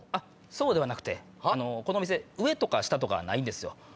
そうではなくてこのお店上とか下とかないんですよ。